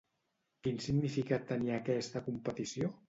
Quin significat tenia aquesta competició?